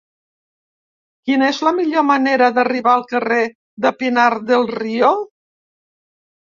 Quina és la millor manera d'arribar al carrer de Pinar del Río?